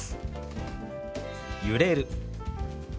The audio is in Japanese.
「揺れる」。